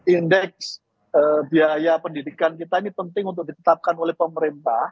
indeks biaya pendidikan kita ini penting untuk ditetapkan oleh pemerintah